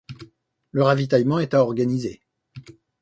Le ravitaillement est à organiser.